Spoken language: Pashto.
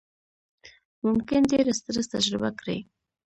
ممکن ډېر سټرس تجربه کړئ،